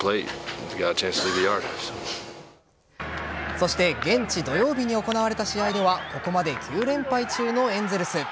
そして現地土曜日に行われた試合ではここまで９連敗中のエンゼルス。